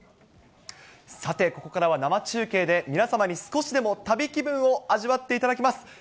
さてここからは生中継で、皆様に少しでも旅気分を味わっていただきます。